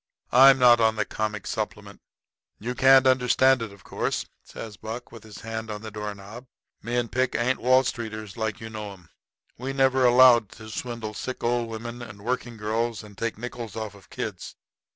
I'm not on the comic supplement." "You can't understand it, of course," says Buck, with his hand on the door knob. "Me and Pick ain't Wall Streeters like you know 'em. We never allowed to swindle sick old women and working girls and take nickels off of kids.